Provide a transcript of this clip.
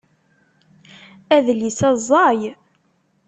Adlis-a ẓẓay.